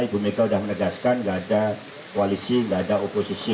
ibu mika sudah menegaskan tidak ada koalisi tidak ada oposisi